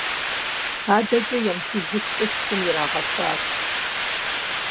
АдэкӀэ емыхыжыхукӀэ шхум ирагъэфащ…